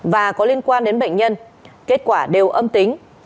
và có liên quan đến bệnh nhân kết quả đều âm tính